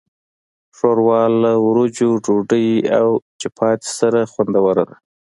ښوروا له وریژو، ډوډۍ، او چپاتي سره خوندوره ده.